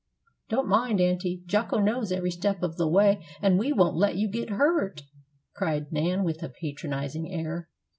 "Don't mind, aunty. Jocko knows every step of the way, and we won't let you get hurt," cried Nan, with a patronizing air.